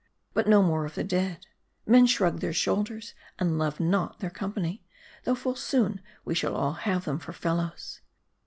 But no more of the dead ; men shrug their shoulders, and love not their company ; though full soon we shall all have them for fellows.